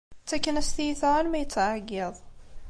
Ttaken-as tiyita armi yettɛeyyiḍ.